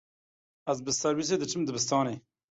Ez bi serwîsê diçim dibistanê.